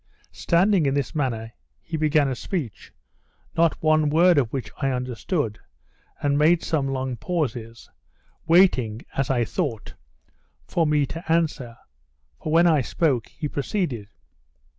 Standing in this manner, he began a speech, not one word of which I understood, and made some long pauses, waiting, as I thought, for me to answer; for, when I spoke, he proceeded.